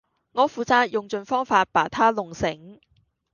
我負責用盡方法把她弄醒